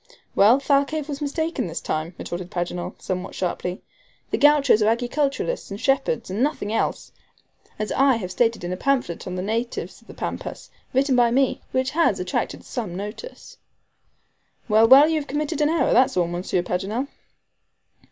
"Well, Thalcave was mistaken this time," retorted Paganel, somewhat sharply. "The Gauchos are agriculturists and shepherds, and nothing else, as I have stated in a pamphlet on the natives of the Pampas, written by me, which has attracted some notice." [illustration omitted] [page intentionally blank] "Well, well, you have committed an error, that's all, Monsieur Paganel."